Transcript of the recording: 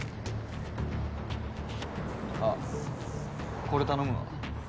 あっこれ頼むわ。